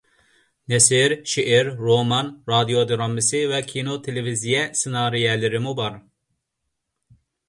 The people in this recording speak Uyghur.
نەسر، شېئىر، رومان، رادىيو دىرامىسى ۋە كىنو تېلېۋىزىيە سېنارىيەلىرىمۇ بار.